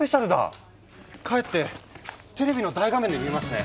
帰ってテレビの大画面で見ますね！